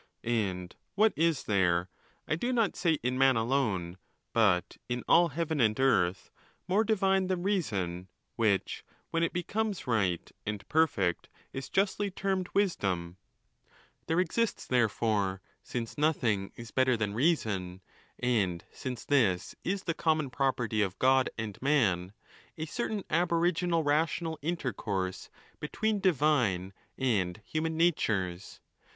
And what is there, I do not say in man alone, but in all heaven and earth, more divine than reason, which, when it becomes right and perfect, is justly termed wisdom ? There exists, therefore, since nothing is better than reason, and since this is the common property of God and man, a eertain aboriginal rational intercourse between divine and human natures.